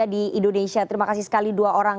di indonesia terima kasih sekali dua orang